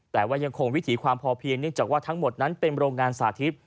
แต่ว่ายังคงวิถีความพอเพียงเนื่องจากว่าทั้งหมดนั้นเป็นโรงงานสาธิต